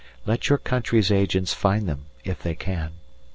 Let your country's agents find them if they can.